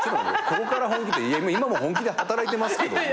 ここから本気って今も本気で働いてますけども。